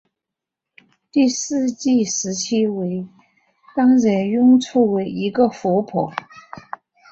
第四纪时期与当惹雍错为一个湖泊。